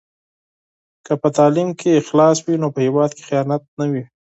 که په تعلیم کې اخلاص وي نو په هېواد کې خیانت نه وي.